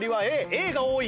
Ａが多い。